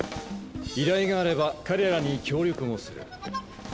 依頼があれば彼らに協力もする。